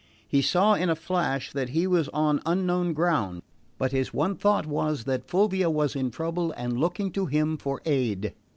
He saw in a flash that he was on unknown ground; but his one thought was that Fulvia was in trouble and looked to him for aid.